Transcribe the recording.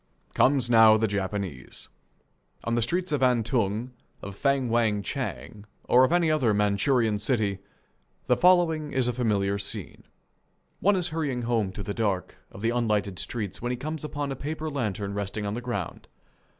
Comes now the Japanese. On the streets of Antung, of Feng Wang Chang, or of any other Manchurian city, the following is a familiar scene: One is hurrying home through the dark of the unlighted streets when he comes upon a paper lantern resting on the ground.